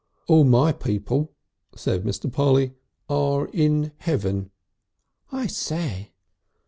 "All my people," said Mr. Polly, "are in Heaven!" "I say!"